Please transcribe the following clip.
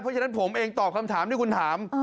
เพราะฉะนั้นผมเองตอบคำถามที่คุณถาม